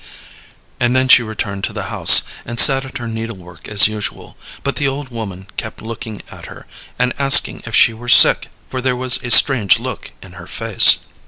And then she returned to the house, and sat at her needlework as usual; but the old woman kept looking at her, and asking if she were sick, for there was a strange look in her face.